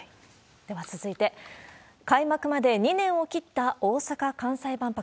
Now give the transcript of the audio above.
では続いて、開幕まで２年を切った大阪・関西万博。